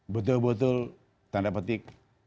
betul betul tanda petik